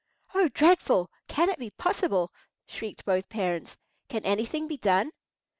"Oh, dreadful! Can it be possible?" shrieked both parents. "Can anything be done?"